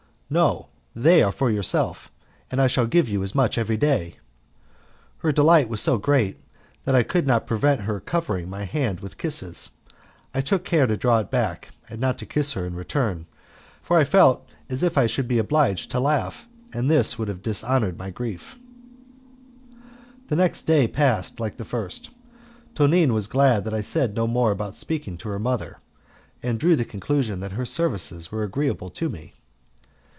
"No, they are for yourself, and I shall give you as much every day." Her delight was so great that I could not prevent her covering my hand with kisses. I took care to draw it back and not to kiss her in return, for I felt as if I should be obliged to laugh, and this would have dishonoured my grief. The second day passed like the first. Tonine was glad that I said no more about speaking to her mother, and drew the conclusion that her services were agreeable to me.